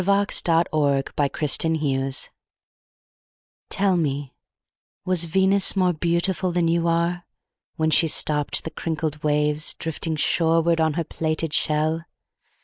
Venus Transiens By Amy Lowell TELL me, Was Venus more beautifulThan you are, When she stoppedThe crinkled waves, Drifting shorewardOn her plaited shell?